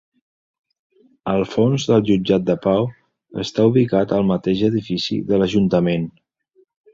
El fons del Jutjat de Pau està ubicat al mateix edifici de l’ajuntament.